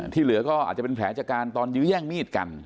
ที่เหลือก็อาจจะเป็นแผลจากการตอนยื้อแย่งมีดกัน